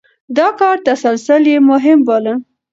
د کار تسلسل يې مهم باله.